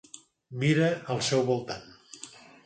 Mira al seu voltant.